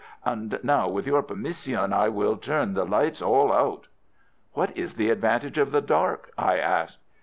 And now with your permission I will turn the lights all out." "What is the advantage of the dark?" I asked.